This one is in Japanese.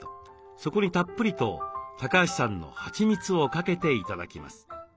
そこにたっぷりと橋さんのはちみつをかけて頂きます。